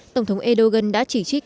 tổng thống erdogan đã chỉ trích